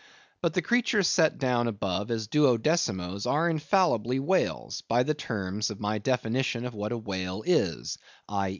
But the creatures set down above as Duodecimoes are infallibly whales, by the terms of my definition of what a whale is—_i.